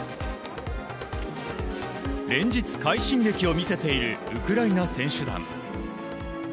連日、快進撃を見せているウクライナ選手団。